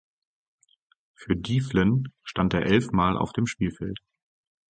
Für Diefflen stand der elfmal auf dem Spielfeld.